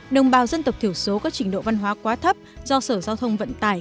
đồng bào dân tộc thiểu số có trình độ văn hóa quá thấp do sở giao thông vận tải